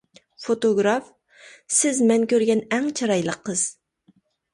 فوتوگراف: سىز مەن كۆرگەن ئەڭ چىرايلىق قىز.